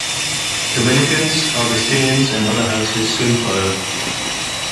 Dominicans, Augustinians and other houses soon followed.